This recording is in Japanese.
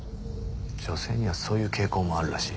女性にはそういう傾向もあるらしい。